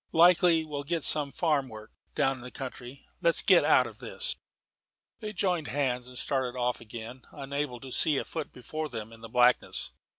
Likely we'll get some farm work, down in the country. Let's get out of this." They joined hands and started off again, unable to see a foot before them in the blackness.